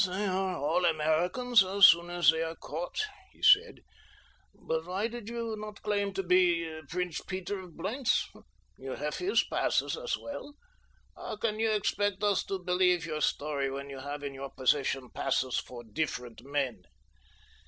"They are all Americans as soon as they are caught," he said; "but why did you not claim to be Prince Peter of Blentz? You have his passes as well. How can you expect us to believe your story when you have in your possession passes for different men?